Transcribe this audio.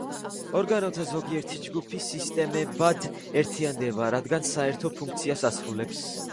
ორგანოთა ზოგიერთი ჯგუფი სისტემებად ერთიანდება, რადგან საერთო ფუნქციას ასრულებს.